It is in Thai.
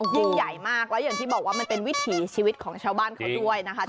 ยิ่งใหญ่มากแล้วอย่างที่บอกว่ามันเป็นวิถีชีวิตของชาวบ้านเขาด้วยนะคะ